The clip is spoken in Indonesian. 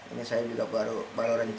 ini saya juga baru bawa rencana gitu